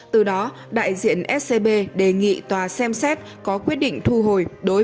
từ đó đại diện scb đề nghị tòa xem xét có quyết định thu hồi đối